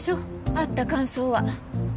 会った感想は？